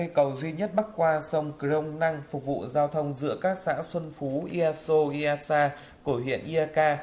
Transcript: cây cầu duy nhất bắc qua sông crong năng phục vụ giao thông giữa các xã xuân phú ia so ia sa cổ huyện iak